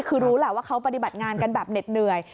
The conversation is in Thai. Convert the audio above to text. คือรู้แหละว่าเขาปฏิบัติงานกันแบบเหน็ดเหนื่อย